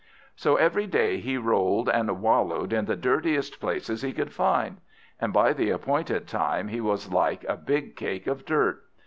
So every day he rolled and wallowed in the dirtiest places he could find; and by the appointed time he was like a big cake of dirt.